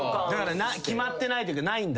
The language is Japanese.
決まってないというかないんだ